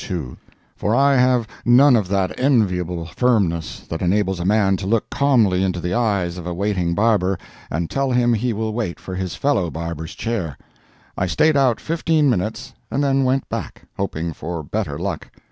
2; for I have none of that enviable firmness that enables a man to look calmly into the eyes of a waiting barber and tell him he will wait for his fellow barber's chair. I stayed out fifteen minutes, and then went back, hoping for better luck.